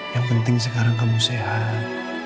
yang penting sekarang kamu sehat